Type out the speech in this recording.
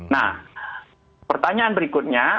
nah pertanyaan berikutnya